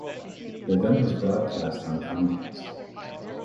The event was broadcast on Comcast.